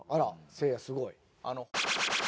せいやすごい。